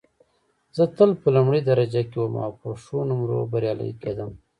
زه تل په لومړۍ درجه کې وم او په ښو نومرو بریالۍ کېدم